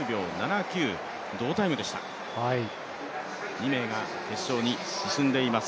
２名が決勝に進んでいます。